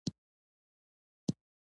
انګلیسي د سیاحانو ژبه ده